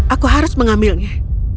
aku harus mengambilnya